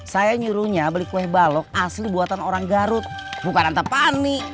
saya nyuruhnya beli kue balok asli buatan orang garut bukan antapani